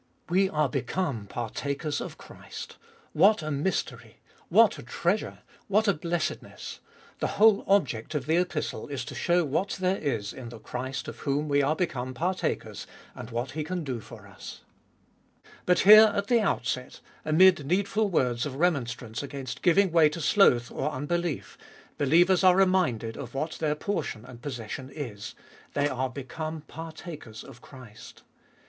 We are become partakers of Christ! What a mystery! What a treasure ! What a blessedness ! The whole object of the Epistle is to show what there is in the Christ of whom we are become partakers, and what He can do for us. But here at 136 OT)e Ibotfest of 2111 the outset, amid needful words of remonstrance against giving way to sloth or unbelief, believers are reminded of what their portion and possession is ; they are become partakers of Christ.